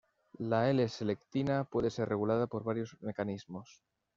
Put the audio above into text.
La L-Selectina puede ser regulada por varios mecanismos.